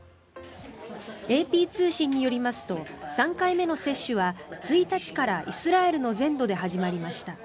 ＡＰ通信によりますと３回目の接種は１日からイスラエルの全土で始まりました。